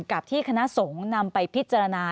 กับที่คณะสงฆ์นำไปพิจารณา